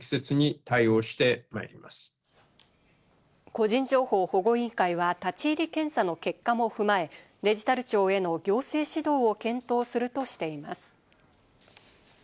個人情報保護委員会は立ち入り検査の結果も踏まえ、デジタル庁への行政指導を検討するとしています。